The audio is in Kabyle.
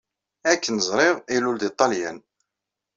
Akken ẓriɣ, ilul di Ṭṭelyan.